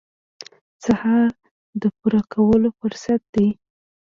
سهار د پوره کولو فرصت دی.